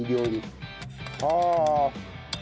はあ。